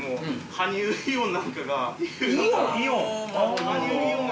羽生イオン。